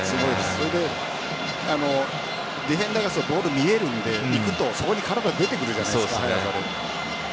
それでディフェンダーボールが見えるので、行くとそこに体が出てくるじゃないですか。